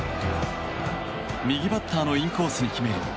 右バッターのインコースに決める